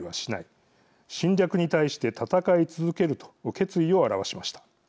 侵略に対して戦い続けると決意を表しました。